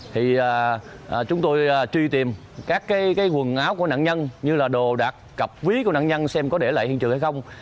thì chúng tôi truy tìm các cái quần áo của nạn nhân như là đồ đạc ví của nạn nhân xem có để lại hiện trường hay không